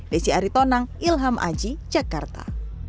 desi aritonang ilham aji jakarta